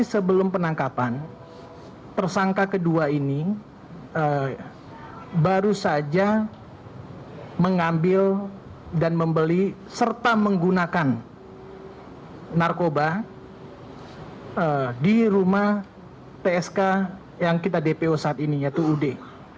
sebelum penangkapan tersangka kedua ini baru saja mengambil dan membeli serta menggunakan narkoba di rumah psk yang kita dpo saat ini yaitu ud